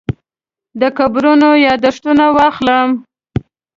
د قبرونو یاداښتونه واخلم.